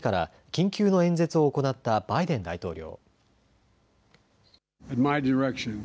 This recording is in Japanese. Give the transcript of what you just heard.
緊急の演説を行ったバイデン大統領。